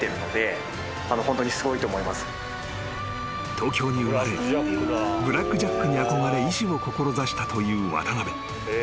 ［東京に生まれブラック・ジャックに憧れ医師を志したという渡邊］